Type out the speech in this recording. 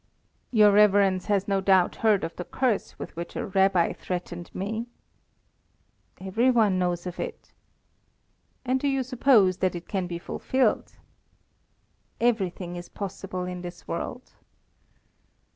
"Your Reverence has no doubt heard of the curse with which a Rabbi threatened me?" "Every one knows of it." "And do you suppose that it can be fulfilled?" "Everything is possible in this world."